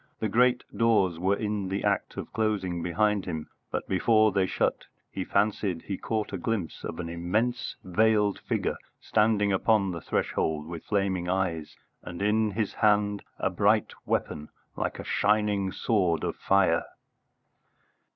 The great doors were in the act of closing behind him, but before they shut he fancied he caught a glimpse of an immense veiled figure standing upon the threshold, with flaming eyes, and in his hand a bright weapon like a shining sword of fire.